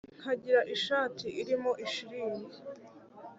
Nkagira ishati irimo ishilingi